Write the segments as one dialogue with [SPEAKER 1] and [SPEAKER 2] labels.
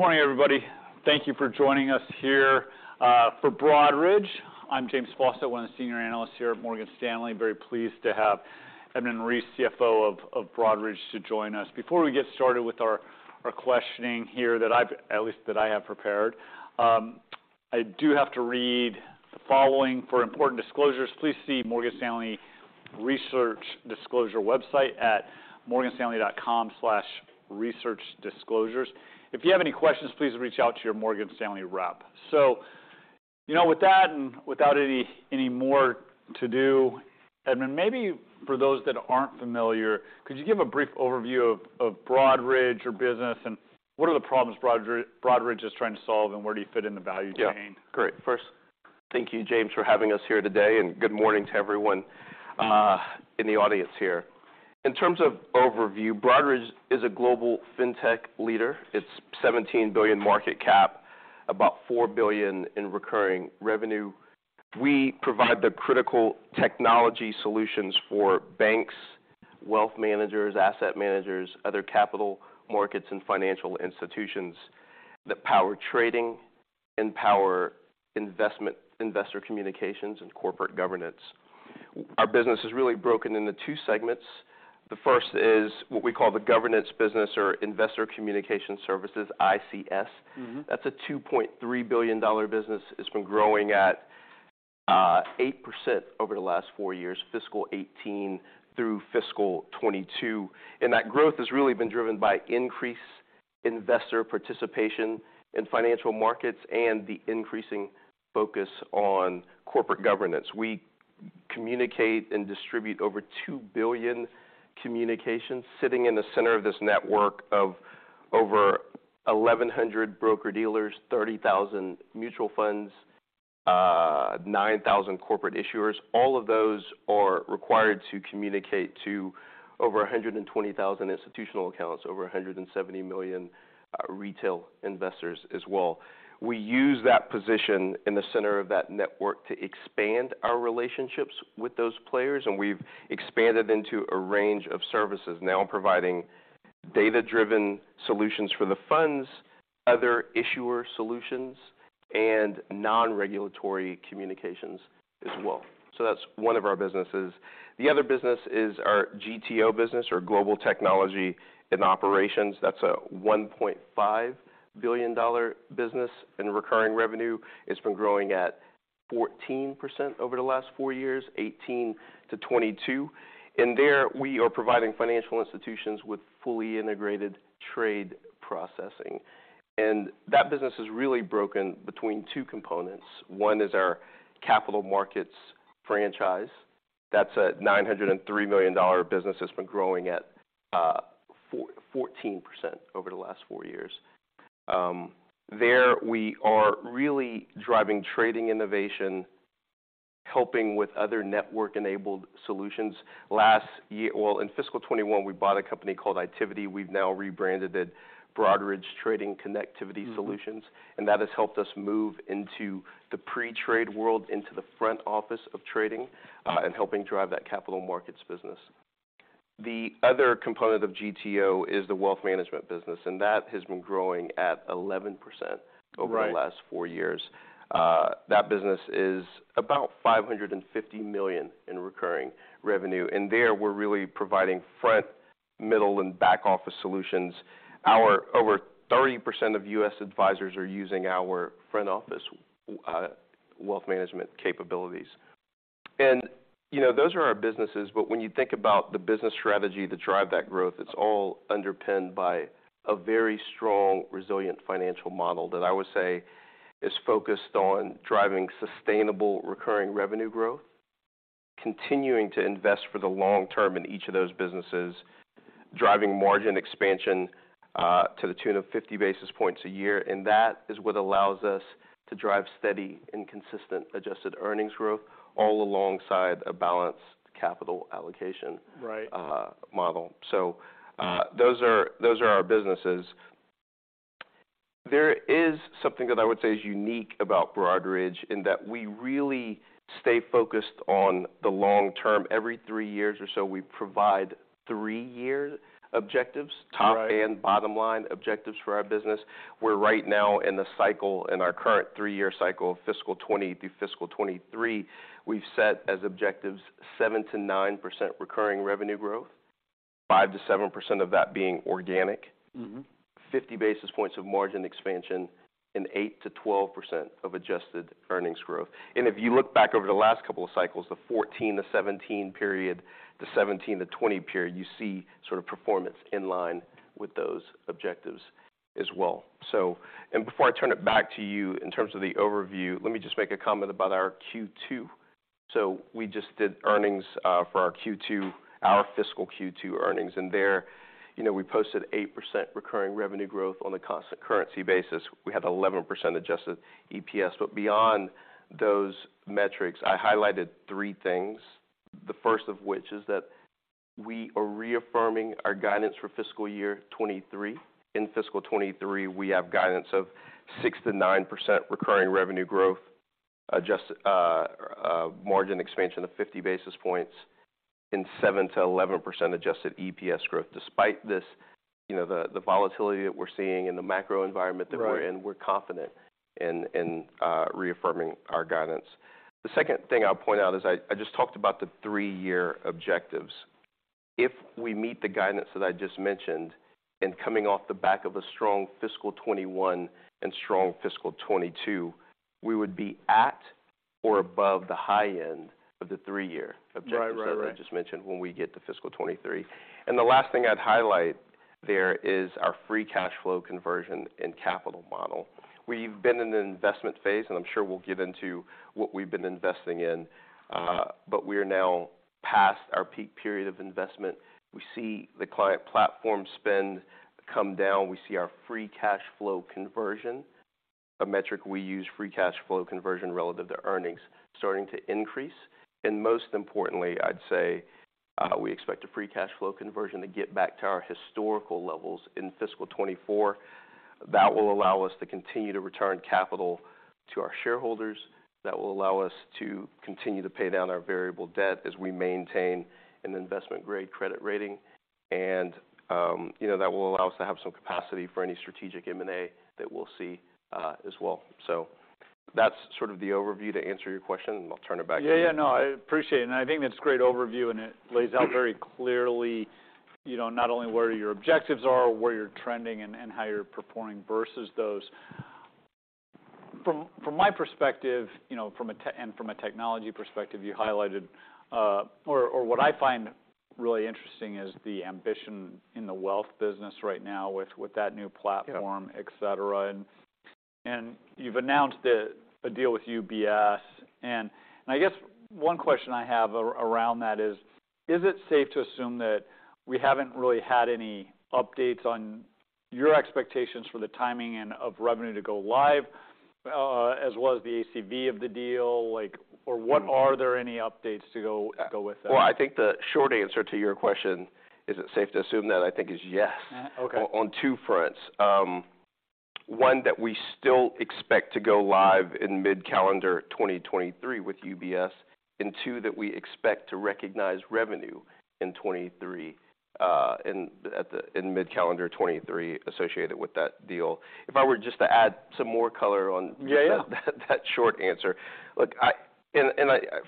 [SPEAKER 1] Morning, everybody. Thank you for joining us here, for Broadridge. I'm James Faucette, one of the senior analysts here at Morgan Stanley. Very pleased to have Edmund Reese, CFO of Broadridge, to join us. Before we get started with our questioning here that at least that I have prepared, I do have to read the following. For important disclosures please see Morgan Stanley research disclosure website at morganstanley.com/researchdisclosures. If you have any questions, please reach out to your Morgan Stanley rep. You know, with that and without any more to do, Edmund, maybe for those that aren't familiar, could you give a brief overview of Broadridge, your business, and what are the problems Broadridge is trying to solve, and where do you fit in the value chain?
[SPEAKER 2] Great. First, thank you, James, for having us here today, and good morning to everyone in the audience here. In terms of overview, Broadridge is a global fintech leader. It's $17 billion market cap, about $4 billion in recurring revenue. We provide the critical technology solutions for banks, wealth managers, asset managers, other capital markets and financial institutions that power trading and power investor communications and corporate governance. Our business is really broken into two segments. The first is what we call the governance business or Investor Communication Solutions, ICS.
[SPEAKER 1] Mm-hmm.
[SPEAKER 2] That's a $2.3 billion business. It's been growing at 8% over the last four years, fiscal 2018 through fiscal 2022. That growth has really been driven by increased investor participation in financial markets and the increasing focus on corporate governance. We communicate and distribute over 2 billion communications sitting in the center of this network of over 1,100 broker-dealers, 30,000 mutual funds, 9,000 corporate issuers. All of those are required to communicate to over 120,000 institutional accounts, over 170 million retail investors as well. We use that position in the center of that network to expand our relationships with those players, and we've expanded into a range of services now providing data-driven solutions for the funds, other issuer solutions, and non-regulatory communications as well. That's one of our businesses. The other business is our GTO business or Global Technology and Operations. That's a $1.5 billion business in recurring revenue. It's been growing at 14% over the last four years, 2018-2022. There, we are providing financial institutions with fully integrated trade processing. That business is really broken between two components. One is our capital markets franchise. That's a $903 million business that's been growing at 14% over the last four years. There we are really driving trading innovation, helping with other network-enabled solutions. Well, in fiscal 2021, we bought a company called Itiviti. We've now rebranded it Broadridge Trading Connectivity Solutions.
[SPEAKER 1] Mm-hmm.
[SPEAKER 2] That has helped us move into the pre-trade world, into the front office of trading, and helping drive that capital markets business. The other component of GTO is the wealth management business, and that has been growing at 11%-
[SPEAKER 1] Right...
[SPEAKER 2] over the last four years. That business is about $550 million in recurring revenue. There, we're really providing front, middle, and back office solutions. Over 30% of U.S. advisors are using our front office, wealth management capabilities. You know, those are our businesses. But when you think about the business strategy that drive that growth, it's all underpinned by a very strong, resilient financial model that I would say is focused on driving sustainable recurring revenue growth, continuing to invest for the long term in each of those businesses, driving margin expansion, to the tune of 50 basis points a year. That is what allows us to drive steady and consistent adjusted earnings growth, all alongside a balanced capital allocation-
[SPEAKER 1] Right...
[SPEAKER 2] model. Those are our businesses. There is something that I would say is unique about Broadridge in that we really stay focused on the long term. Every three years or so, we provide three-year objectives.
[SPEAKER 1] Right...
[SPEAKER 2] top and bottom line objectives for our business. We're right now in the cycle, in our current three-year cycle of fiscal 20 through fiscal 23. We've set as objectives 7%-9% recurring revenue growth, 5%-7% of that being organic.
[SPEAKER 1] Mm-hmm.
[SPEAKER 2] 50 basis points of margin expansion and 8%-12% of adjusted earnings growth. If you look back over the last couple of cycles, the 2014-2017 period, the 2017-2020 period, you see sort of performance in line with those objectives as well. Before I turn it back to you in terms of the overview, let me just make a comment about our Q2. We just did earnings for our Q2, our fiscal Q2 earnings. There, you know, we posted 8% recurring revenue growth on a constant currency basis. We had 11% adjusted EPS. Beyond those metrics, I highlighted three things, the first of which is that we are reaffirming our guidance for fiscal year 2023. In fiscal 2023, we have guidance of 6%-9% recurring revenue growth. Margin expansion of 50 basis points in 7%-11% adjusted EPS growth. Despite this, you know, the volatility that we're seeing and the macro environment that…
[SPEAKER 1] Right...
[SPEAKER 2] we're in, we're confident in reaffirming our guidance. The second thing I'll point out is I just talked about the three-year objectives. If we meet the guidance that I just mentioned and coming off the back of a strong fiscal 2021 and strong fiscal 2022, we would be at or above the high end of the three-year objectives.
[SPEAKER 1] Right, right....
[SPEAKER 2] that I just mentioned when we get to fiscal 2023. The last thing I'd highlight there is our free cash flow conversion and capital model. We've been in an investment phase, and I'm sure we'll get into what we've been investing in. We are now past our peak period of investment. We see the client platform spend come down. We see our free cash flow conversion, a metric we use, free cash flow conversion relative to earnings starting to increase. Most importantly, I'd say, we expect a free cash flow conversion to get back to our historical levels in fiscal 2024. That will allow us to continue to return capital to our shareholders. That will allow us to continue to pay down our variable debt as we maintain an investment-grade credit rating. You know, that will allow us to have some capacity for any strategic M&A that we'll see as well. That's sort of the overview to answer your question, and I'll turn it back to you.
[SPEAKER 1] Yeah, yeah. No, I appreciate it. I think that's a great overview, and it lays out very clearly, you know, not only where your objectives are or where you're trending and how you're performing versus those. From my perspective, you know, from a technology perspective, you highlighted Or what I find really interesting is the ambition in the wealth business right now with that new platform-
[SPEAKER 2] Yeah...
[SPEAKER 1] et cetera. You've announced a deal with UBS. I guess one question I have around that is it safe to assume that we haven't really had any updates on your expectations for the timing and of revenue to go live, as well as the ACV of the deal?
[SPEAKER 2] Mm-hmm...
[SPEAKER 1] are there any updates to go with that?
[SPEAKER 2] Well, I think the short answer to your question, is it safe to assume that, I think is yes.
[SPEAKER 1] Okay.
[SPEAKER 2] On two fronts. One, that we still expect to go live in mid-calendar 2023 with UBS, and two, that we expect to recognize revenue in 2023 in mid-calendar 2023 associated with that deal. If I were just to add some more color on.
[SPEAKER 1] Yeah, yeah....
[SPEAKER 2] that short answer.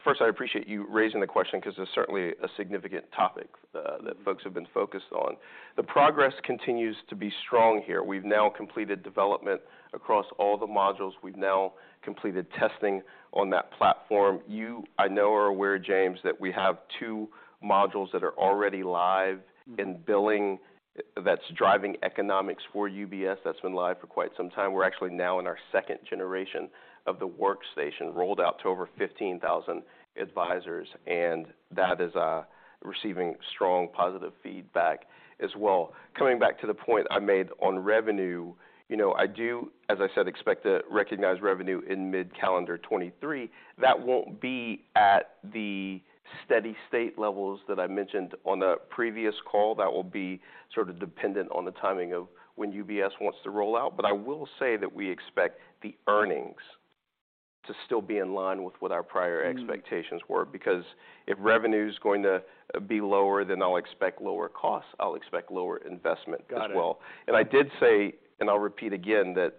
[SPEAKER 2] First, I appreciate you raising the question because it's certainly a significant topic that folks have been focused on. The progress continues to be strong here. We've now completed development across all the modules. We've now completed testing on that platform. You, I know, are aware, James, that we have two modules that are already live-
[SPEAKER 1] Mm-hmm...
[SPEAKER 2] in billing that's driving economics for UBS. That's been live for quite some time. We're actually now in our second generation of the workstation, rolled out to over 15,000 advisors, and that is receiving strong positive feedback as well. Coming back to the point I made on revenue, you know, I do, as I said, expect to recognize revenue in mid-calendar 2023. That won't be at the steady state levels that I mentioned on the previous call. That will be sort of dependent on the timing of when UBS wants to roll out. I will say that we expect the earnings to still be in line with what our prior expectations were. If revenue's going to be lower, then I'll expect lower costs. I'll expect lower investment as well.
[SPEAKER 1] Got it.
[SPEAKER 2] I did say, and I'll repeat again, that,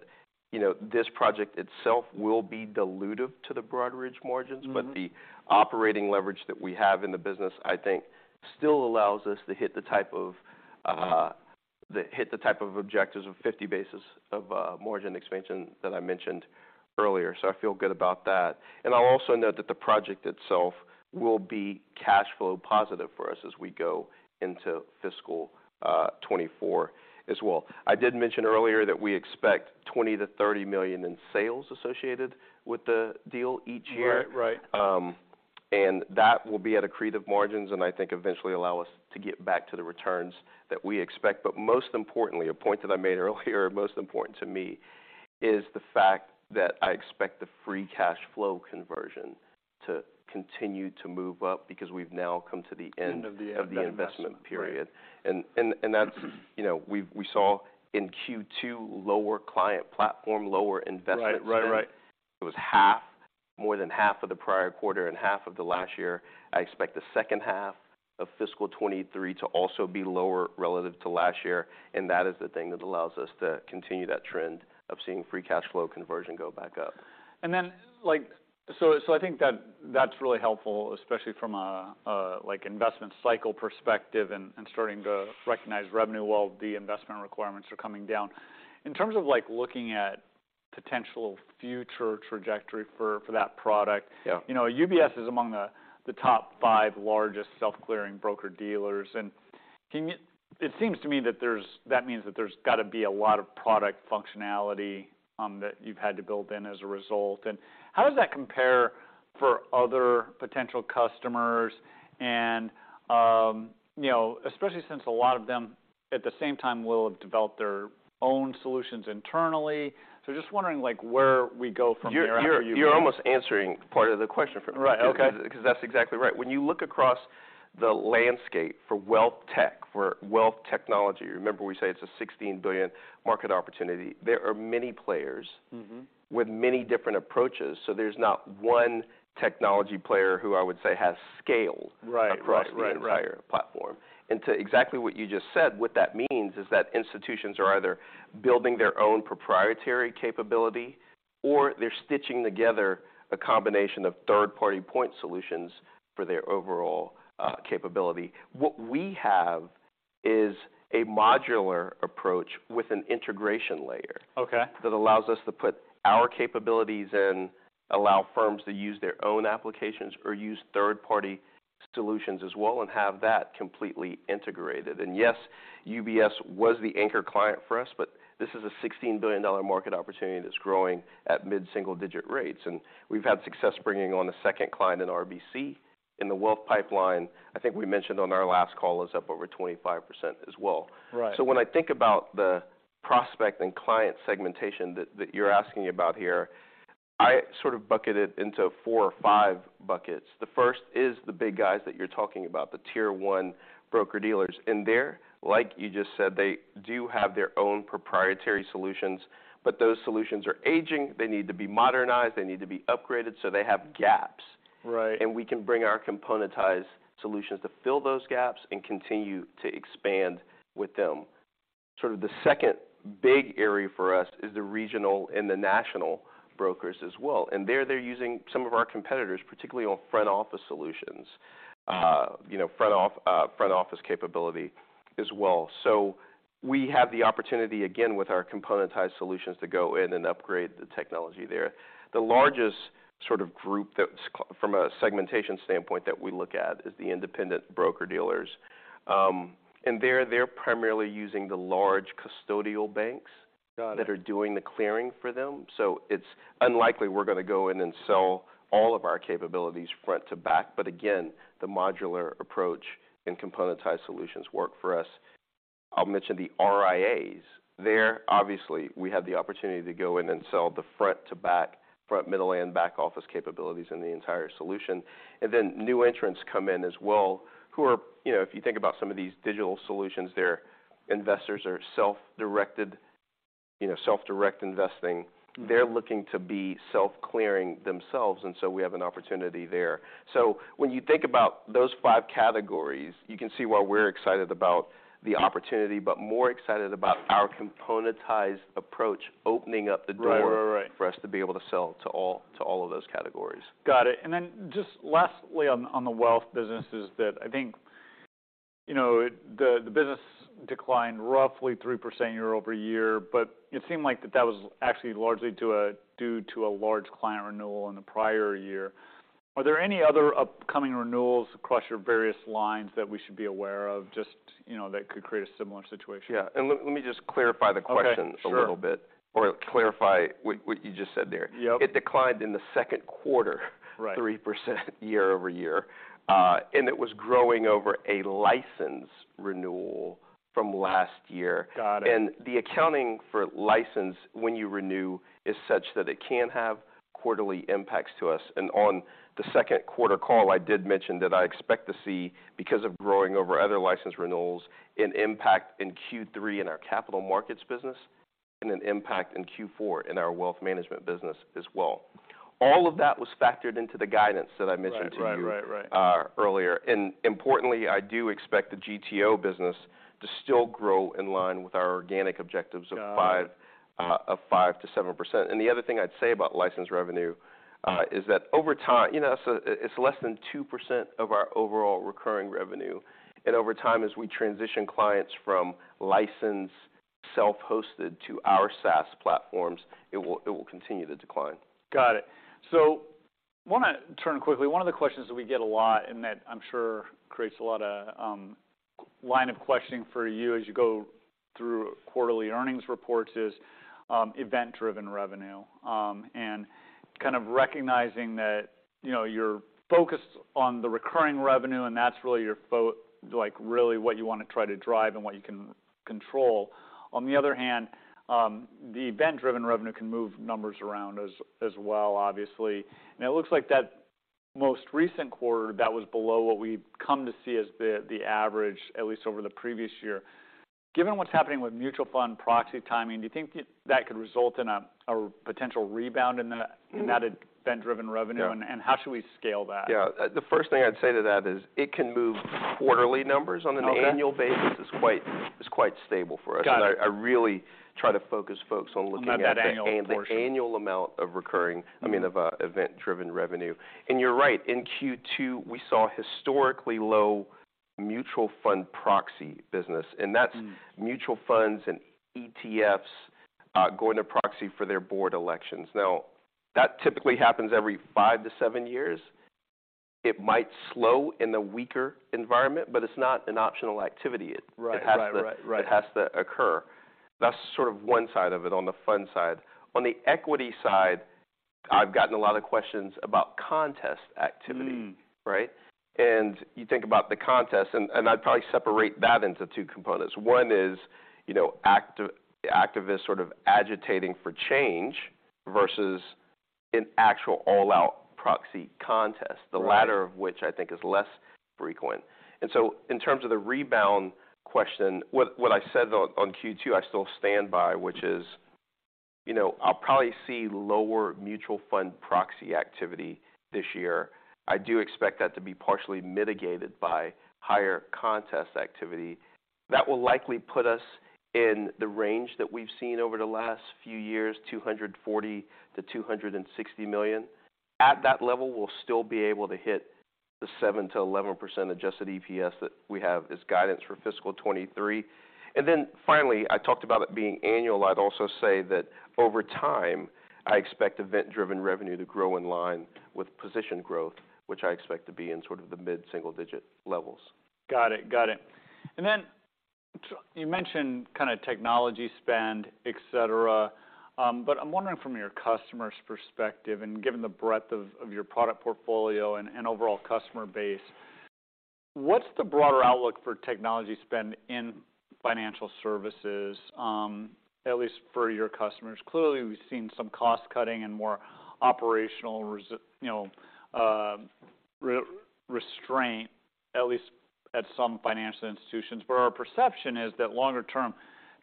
[SPEAKER 2] you know, this project itself will be dilutive to the Broadridge margins.
[SPEAKER 1] Mm-hmm.
[SPEAKER 2] The operating leverage that we have in the business, I think still allows us to hit the type of objectives of 50 basis of margin expansion that I mentioned earlier. I feel good about that. I'll also note that the project itself will be cash flow positive for us as we go into fiscal 2024 as well. I did mention earlier that we expect $20 million-$30 million in sales associated with the deal each year.
[SPEAKER 1] Right. Right.
[SPEAKER 2] That will be at accretive margins, and I think eventually allow us to get back to the returns that we expect. Most importantly, a point that I made earlier, most important to me, is the fact that I expect the free cash flow conversion to continue to move up because we've now come to the end-
[SPEAKER 1] End of the investment....
[SPEAKER 2] of the investment period.
[SPEAKER 1] Right.
[SPEAKER 2] That's, you know, we saw in Q2 lower client platform, lower investment spend.
[SPEAKER 1] Right. Right. Right.
[SPEAKER 2] It was half, more than half of the prior quarter and half of the last year. I expect the second half of fiscal 2023 to also be lower relative to last year, and that is the thing that allows us to continue that trend of seeing free cash flow conversion go back up.
[SPEAKER 1] Then, like. I think that that's really helpful, especially from a, like, investment cycle perspective and starting to recognize revenue while the investment requirements are coming down. In terms of, like, looking at potential future trajectory for that product.
[SPEAKER 2] Yeah...
[SPEAKER 1] you know, UBS is among the top five largest self-clearing broker-dealers. It seems to me that there's, that means that there's gotta be a lot of product functionality that you've had to build in as a result. How does that compare for other potential customers and, you know, especially since a lot of them, at the same time, will have developed their own solutions internally. Just wondering, like, where we go from there
[SPEAKER 2] You're almost answering part of the question for me.
[SPEAKER 1] Right. Okay.
[SPEAKER 2] That's exactly right. When you look across the landscape for wealth tech, for wealth technology, remember we say it's a $16 billion market opportunity. There are many players-
[SPEAKER 1] Mm-hmm...
[SPEAKER 2] with many different approaches, so there's not one technology player who I would say has scaled-
[SPEAKER 1] Right. Right, right...
[SPEAKER 2] across the entire platform. To exactly what you just said, what that means is that institutions are either building their own proprietary capability or they're stitching together a combination of third-party point solutions for their overall, capability. What we have is a modular approach with an integration layer.
[SPEAKER 1] Okay...
[SPEAKER 2] that allows us to put our capabilities in, allow firms to use their own applications or use third-party solutions as well and have that completely integrated. Yes, UBS was the anchor client for us, but this is a $16 billion market opportunity that's growing at mid-single-digit rates, and we've had success bringing on a second client in RBC. In the wealth pipeline, I think we mentioned on our last call is up over 25% as well.
[SPEAKER 1] Right.
[SPEAKER 2] When I think about the prospect and client segmentation that you're asking about here, I sort of bucket it into four or five buckets. The first is the big guys that you're talking about, the tier one broker-dealers. They're, like you just said, they do have their own proprietary solutions, but those solutions are aging. They need to be modernized. They need to be upgraded, so they have gaps.
[SPEAKER 1] Right.
[SPEAKER 2] We can bring our componentized solutions to fill those gaps and continue to expand with them. Sort of the second big area for us is the regional and the national brokers as well, and they're using some of our competitors, particularly on front office solutions. you know, front office capability as well. We have the opportunity again with our componentized solutions to go in and upgrade the technology there. The largest sort of group that's from a segmentation standpoint that we look at is the independent broker-dealers. They're primarily using the large custodial banks-
[SPEAKER 1] Got it....
[SPEAKER 2] that are doing the clearing for them. It's unlikely we're gonna go in and sell all of our capabilities front to back. Again, the modular approach and componentized solutions work for us. I'll mention the RIAs. There, obviously, we have the opportunity to go in and sell the front to back, front middle and back office capabilities in the entire solution. Then new entrants come in as well who are... You know, if you think about some of these digital solutions, their investors are self-directed, you know, self-direct investing. They're looking to be self-clearing themselves. We have an opportunity there. When you think about those five categories, you can see why we're excited about the opportunity, but more excited about our componentized approach opening up the door-
[SPEAKER 1] Right....
[SPEAKER 2] for us to be able to sell to all of those categories.
[SPEAKER 1] Got it. Just lastly on the wealth business is that I think, you know, the business declined roughly 3% year-over-year, but it seemed like that was actually largely due to a large client renewal in the prior year. Are there any other upcoming renewals across your various lines that we should be aware of just, you know, that could create a similar situation?
[SPEAKER 2] Yeah. Let me just clarify the question.
[SPEAKER 1] Okay. Sure...
[SPEAKER 2] a little bit, or clarify what you just said there.
[SPEAKER 1] Yep.
[SPEAKER 2] It declined in the second quarter.
[SPEAKER 1] Right...
[SPEAKER 2] 3% year-over-year. It was growing over a license renewal from last year.
[SPEAKER 1] Got it.
[SPEAKER 2] The accounting for license when you renew is such that it can have quarterly impacts to us. On the second quarter call, I did mention that I expect to see, because of growing over other license renewals, an impact in Q3 in our capital markets business and an impact in Q4 in our wealth management business as well. All of that was factored into the guidance that I mentioned to you.
[SPEAKER 1] Right....
[SPEAKER 2] earlier. Importantly, I do expect the GTO business to still grow in line with our organic objectives of five-
[SPEAKER 1] Got it....
[SPEAKER 2] of 5%-7%. The other thing I'd say about license revenue, is that over time... You know, so it's less than 2% of our overall recurring revenue. Over time, as we transition clients from licensed self-hosted to our SaaS platforms, it will continue to decline.
[SPEAKER 1] Got it. Wanna turn quickly. One of the questions that we get a lot, and that I'm sure creates a lot of line of questioning for you as you go through quarterly earnings reports, is event-driven revenue, and kind of recognizing that, you know, you're focused on the recurring revenue, and that's really what you wanna try to drive and what you can control. On the other hand, the event-driven revenue can move numbers around as well, obviously. It looks like that most recent quarter, that was below what we've come to see as the average, at least over the previous year. Given what's happening with mutual fund proxy timing, do you think that that could result in a potential rebound in the-
[SPEAKER 2] Mm-hmm...
[SPEAKER 1] in that event-driven revenue?
[SPEAKER 2] Yeah.
[SPEAKER 1] How should we scale that?
[SPEAKER 2] The first thing I'd say to that is it can move quarterly numbers.
[SPEAKER 1] Okay
[SPEAKER 2] an annual basis, it's quite stable for us.
[SPEAKER 1] Got it.
[SPEAKER 2] I really try to focus folks on looking at the.
[SPEAKER 1] That annual portion....
[SPEAKER 2] the annual amount of recurring, I mean, of event-driven revenue. You're right. In Q2, we saw historically low mutual fund proxy business, and that's.
[SPEAKER 1] Mm....
[SPEAKER 2] mutual funds and ETFs, going to proxy for their board elections. That typically happens every five-seven years. It might slow in the weaker environment, but it's not an optional activity.
[SPEAKER 1] Right. Right. Right....
[SPEAKER 2] it has to occur. That's sort of one side of it, on the fund side. On the equity side, I've gotten a lot of questions about contest activity.
[SPEAKER 1] Mm.
[SPEAKER 2] Right? You think about the contest, and I'd probably separate that into two components. One is, you know, activists sort of agitating for change versus an actual all-out proxy contest.
[SPEAKER 1] Right...
[SPEAKER 2] the latter of which I think is less frequent. In terms of the rebound question, what I said on Q2, I still stand by, which is, you know, I'll probably see lower mutual fund proxy activity this year. I do expect that to be partially mitigated by higher contest activity. That will likely put us in the range that we've seen over the last few years, $240 million-$260 million. At that level, we'll still be able to hit the 7%-11% adjusted EPS that we have as guidance for fiscal 2023. Finally, I talked about it being annual. I'd also say that over time, I expect event-driven revenue to grow in line with position growth, which I expect to be in sort of the mid-single-digit levels.
[SPEAKER 1] Got it. Got it. Then you mentioned kind of technology spend, et cetera, I'm wondering from your customer's perspective, and given the breadth of your product portfolio and overall customer base, what's the broader outlook for technology spend in financial services, at least for your customers? Clearly, we've seen some cost-cutting and more operational you know, restraint, at least at some financial institutions. Our perception is that longer-term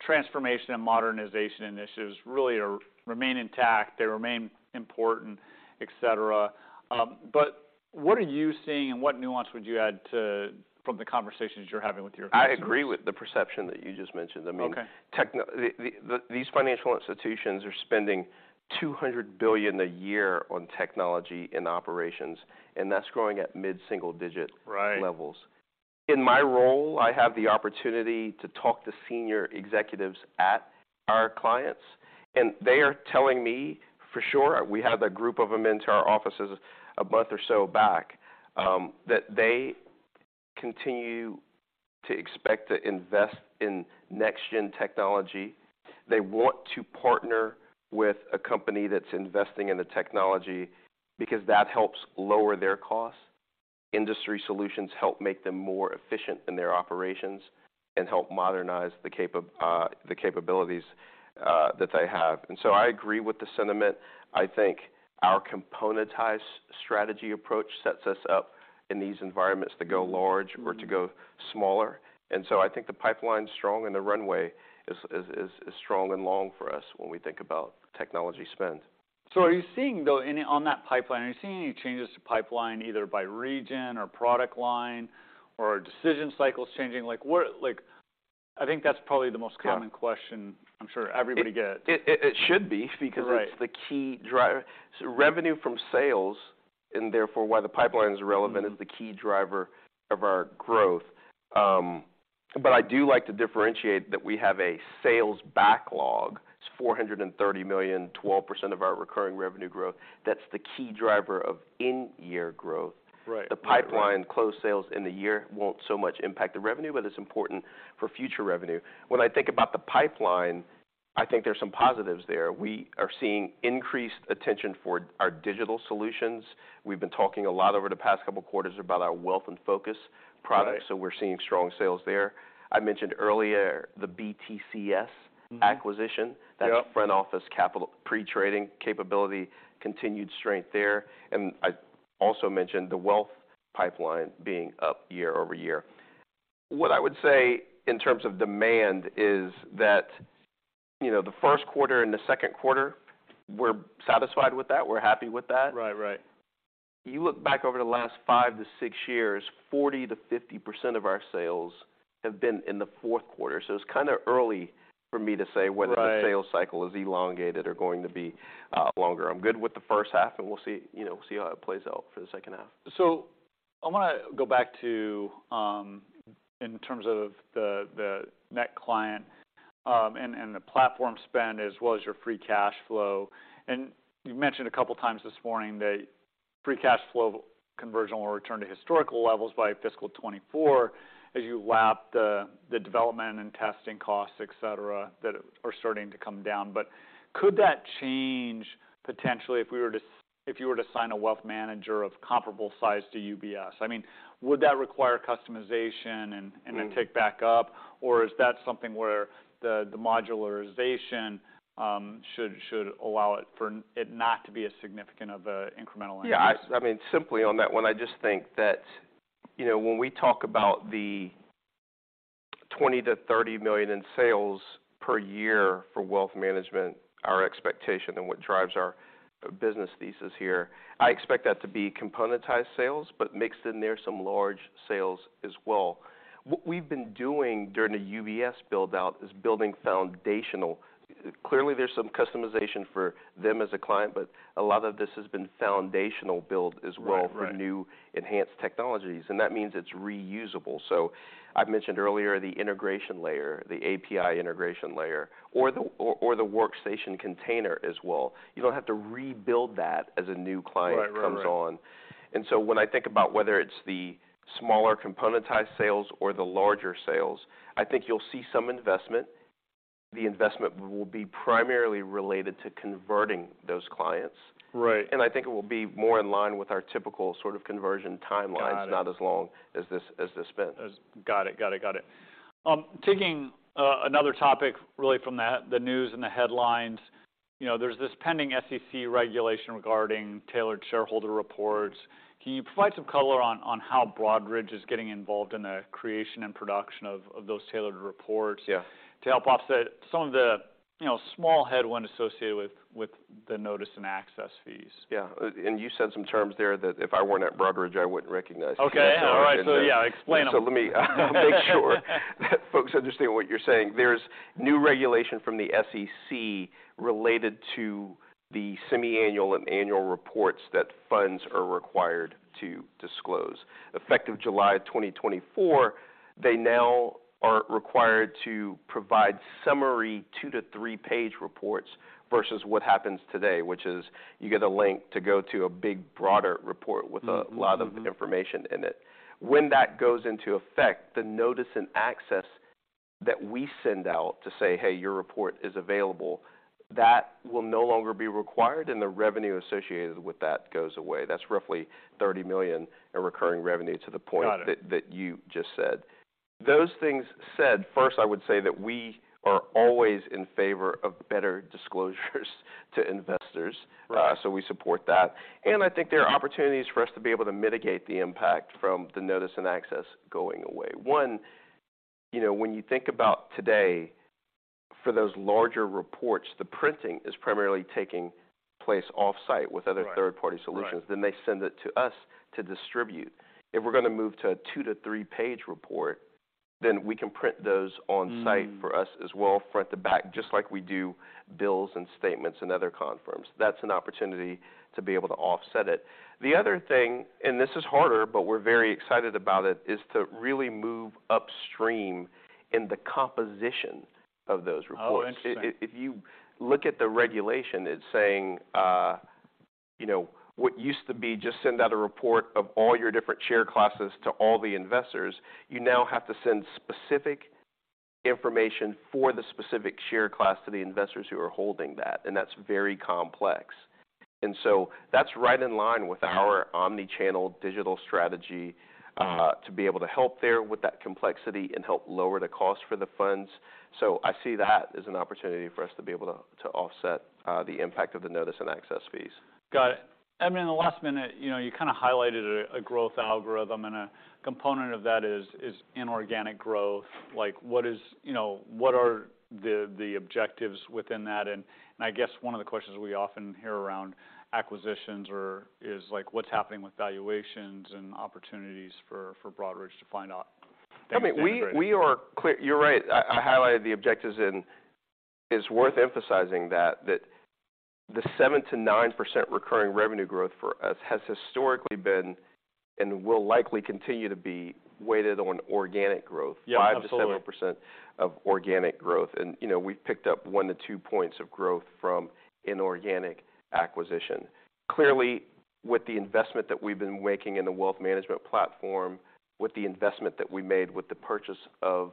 [SPEAKER 1] transformation and modernization initiatives really remain intact. They remain important, et cetera. What are you seeing, and what nuance would you add to... from the conversations you're having with your customers?
[SPEAKER 2] I agree with the perception that you just mentioned.
[SPEAKER 1] Okay
[SPEAKER 2] These financial institutions are spending $200 billion a year on technology and operations, and that's growing at mid-single digit.
[SPEAKER 1] Right...
[SPEAKER 2] levels. In my role, I have the opportunity to talk to senior executives at our clients, and they are telling me for sure, we had a group of them into our offices a month or so back, that they continue to expect to invest in next-gen technology. They want to partner with a company that's investing in the technology because that helps lower their costs. Industry solutions help make them more efficient in their operations and help modernize the capabilities that they have. I agree with the sentiment. I think our componentized strategy approach sets us up in these environments to go large or to go smaller. I think the pipeline's strong and the runway is strong and long for us when we think about technology spend.
[SPEAKER 1] Are you seeing though, any on that pipeline, are you seeing any changes to pipeline either by region or product line or are decision cycles changing? Like I think that's probably the most common.
[SPEAKER 2] Yeah...
[SPEAKER 1] question I'm sure everybody gets.
[SPEAKER 2] It should be.
[SPEAKER 1] Right...
[SPEAKER 2] it's the key driver. Revenue from sales, and therefore why the pipeline is relevant, is the key driver of our growth. I do like to differentiate that we have a sales backlog. It's $430 million, 12% of our recurring revenue growth. That's the key driver of in-year growth.
[SPEAKER 1] Right.
[SPEAKER 2] The pipeline closed sales in the year won't so much impact the revenue, but it's important for future revenue. When I think about the pipeline, I think there's some positives there. We are seeing increased attention for our digital solutions. We've been talking a lot over the past couple of quarters about our Wealth InFocus products.
[SPEAKER 1] Right
[SPEAKER 2] We're seeing strong sales there. I mentioned earlier the BTCS acquisition.
[SPEAKER 1] Yep.
[SPEAKER 2] That front office capital pre-trading capability, continued strength there. I also mentioned the wealth pipeline being up year-over-year. What I would say in terms of demand is that, you know, the first quarter and the second quarter, we're satisfied with that. We're happy with that.
[SPEAKER 1] Right. Right.
[SPEAKER 2] You look back over the last five-six years, 40%-50% of our sales have been in the fourth quarter. It's kind of early for me to say.
[SPEAKER 1] Right...
[SPEAKER 2] the sales cycle is elongated or going to be longer. I'm good with the first half. We'll see, you know, we'll see how it plays out for the second half.
[SPEAKER 1] I wanna go back to, in terms of the net client, and the platform spend as well as your free cash flow. You mentioned a couple of times this morning that free cash flow conversion will return to historical levels by fiscal 2024 as you lap the development and testing costs, et cetera, that are starting to come down. Could that change potentially if we were to if you were to sign a wealth manager of comparable size to UBS? I mean, would that require customization?
[SPEAKER 2] Mm.
[SPEAKER 1] Tick back up? Is that something where the modularization should allow it for it not to be as significant of a incremental increase?
[SPEAKER 2] Yeah. I mean, simply on that one, I just think that, you know, when we talk about the $20 million-$30 million in sales per year for wealth management, our expectation and what drives our business thesis here, I expect that to be componentized sales, but mixed in there some large sales as well. What we've been doing during the UBS build-out is building foundational. Clearly, there's some customization for them as a client, but a lot of this has been foundational build as well.
[SPEAKER 1] Right. Right.
[SPEAKER 2] for new enhanced technologies, and that means it's reusable. I've mentioned earlier the integration layer, the API integration layer or the workstation container as well. You don't have to rebuild that as a new client-.
[SPEAKER 1] Right.
[SPEAKER 2] comes on. When I think about whether it's the smaller componentized sales or the larger sales, I think you'll see some investment. The investment will be primarily related to converting those clients.
[SPEAKER 1] Right.
[SPEAKER 2] I think it will be more in line with our typical sort of conversion timelines.
[SPEAKER 1] Got it.
[SPEAKER 2] not as long as this, as this spend.
[SPEAKER 1] Got it. Got it. Got it. taking another topic really from the news and the headlines. You know, there's this pending SEC regulation regarding Tailored Shareholder Reports. Can you provide some color on how Broadridge is getting involved in the creation and production of those Tailored Shareholder Reports?
[SPEAKER 2] Yeah ...
[SPEAKER 1] to help offset some of the, you know, small headwind associated with the notice and access fees.
[SPEAKER 2] Yeah. You said some terms there that if I weren't at Broadridge, I wouldn't recognize.
[SPEAKER 1] Okay. All right. Yeah, explain them.
[SPEAKER 2] Let me make sure that folks understand what you're saying. There's new regulation from the SEC related to the semi-annual and annual reports that funds are required to disclose. Effective July 2024, they now are required to provide summary two-three-page reports versus what happens today, which is you get a link to go to a big broader report.
[SPEAKER 1] Mm-hmm...
[SPEAKER 2] lot of information in it. When that goes into effect, the notice and access that we send out to say, "Hey, your report is available," that will no longer be required, and the revenue associated with that goes away. That's roughly $30 million in recurring revenue to the point-
[SPEAKER 1] Got it....
[SPEAKER 2] that you just said. Those things said, first, I would say that we are always in favor of better disclosures to investors.
[SPEAKER 1] Right.
[SPEAKER 2] We support that. I think there are opportunities for us to be able to mitigate the impact from the notice and access going away. One, you know, when you think about today, for those larger reports, the printing is primarily taking place off-site.
[SPEAKER 1] Right...
[SPEAKER 2] third-party solutions.
[SPEAKER 1] Right.
[SPEAKER 2] They send it to us to distribute. If we're gonna move to a two-three-page report, then we can print those on site-
[SPEAKER 1] Mm
[SPEAKER 2] for us as well front to back, just like we do bills and statements and other confirms. That's an opportunity to be able to offset it. The other thing, and this is harder, but we're very excited about it, is to really move upstream in the composition of those reports.
[SPEAKER 1] Oh, interesting.
[SPEAKER 2] If you look at the regulation, it's saying, you know, what used to be just send out a report of all your different share classes to all the investors, you now have to send specific information for the specific share class to the investors who are holding that, and that's very complex. That's right in line with our omnichannel digital strategy, to be able to help there with that complexity and help lower the cost for the funds. I see that as an opportunity for us to be able to offset, the impact of the notice and access fees.
[SPEAKER 1] Got it. Edmund, in the last minute, you know, you kinda highlighted a growth algorithm, and a component of that is inorganic growth. Like, what, you know, what are the objectives within that? I guess one of the questions we often hear around acquisitions is, like, what's happening with valuations and opportunities for Broadridge to find out?
[SPEAKER 2] I mean, we are clear. You're right. I highlighted the objectives and it's worth emphasizing that the 7%-9% recurring revenue growth for us has historically been and will likely continue to be weighted on organic growth.
[SPEAKER 1] Yeah. Absolutely.
[SPEAKER 2] 5%-7% of organic growth. You know, we've picked up one-two points of growth from inorganic acquisition. Clearly, with the investment that we've been making in the wealth management platform, with the investment that we made with the purchase of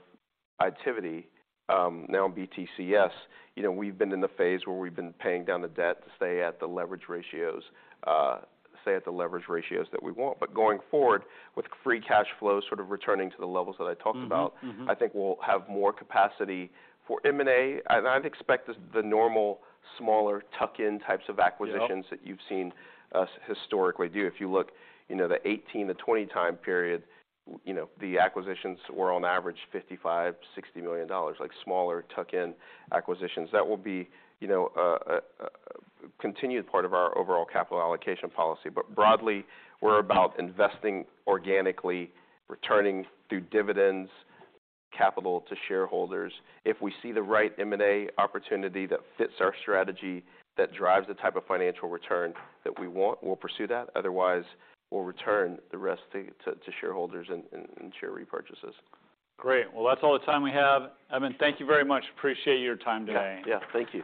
[SPEAKER 2] Itiviti, now BTCS, you know, we've been in the phase where we've been paying down the debt to stay at the leverage ratios, stay at the leverage ratios that we want. Going forward, with free cash flow sort of returning to the levels that I talked about.
[SPEAKER 1] Mm-hmm, mm-hmm...
[SPEAKER 2] I think we'll have more capacity for M&A. I'd expect the normal smaller tuck-in types of acquisitions.
[SPEAKER 1] Yep...
[SPEAKER 2] that you've seen us historically do. If you look, you know, the 2018 to 2020 time period, you know, the acquisitions were on average $55 million-$60 million, like smaller tuck-in acquisitions. That will be, you know, a continued part of our overall capital allocation policy. Broadly, we're about investing organically, returning through dividends capital to shareholders. If we see the right M&A opportunity that fits our strategy, that drives the type of financial return that we want, we'll pursue that. Otherwise, we'll return the rest to shareholders in share repurchases.
[SPEAKER 1] Great. That's all the time we have. Edmund, thank you very much. Appreciate your time today.
[SPEAKER 2] Yeah. Yeah. Thank you.